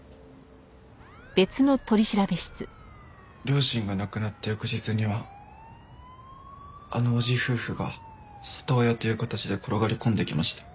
両親が亡くなった翌日にはあの叔父夫婦が里親という形で転がり込んできました。